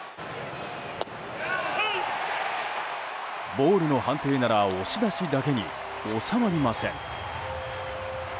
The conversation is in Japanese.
ボールの判定なら押し出しだけに収まりません。